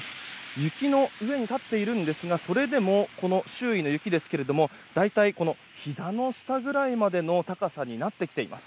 雪の上に立っているんですがそれでも周囲の雪は大体ひざの下くらいまでの高さになってきています。